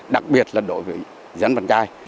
đặc biệt là đối với dân văn trai